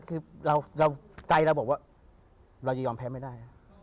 คือเราใจเราบอกว่าเราจะยอมแพ้ไม่ได้